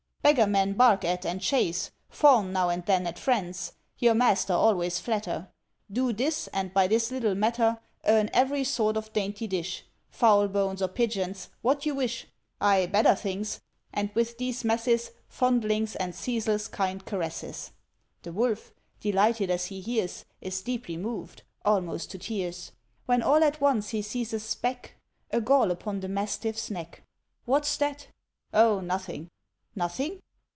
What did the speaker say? Beggar men Bark at and chase; fawn now and then At friends; your master always flatter. Do this, and by this little matter Earn every sort of dainty dish Fowl bones or pigeons' what you wish Aye, better things; and with these messes, Fondlings, and ceaseless kind caresses." The Wolf, delighted, as he hears Is deeply moved almost to tears; When all at once he sees a speck, A gall upon the Mastiff's neck. "What's that?" "Oh, nothing!" "Nothing?"